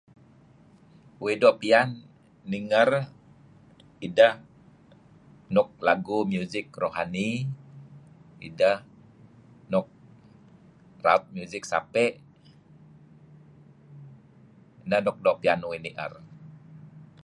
Uih doo' piyan ninger ideh nuk lagu music rohani mey idah nuk raut music sape' inah nuk uih doo' piyan uih ninger.